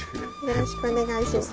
よろしくお願いします。